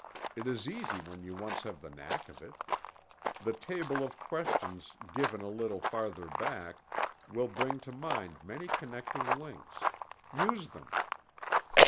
It is easy when you once have the knack of it. The table of questions given a little farther back will bring to mind many connecting links. Use them.